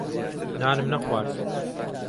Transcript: نانم نەخوارد.